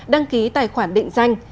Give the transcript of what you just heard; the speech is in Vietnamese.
đăng ký tài khoản định danh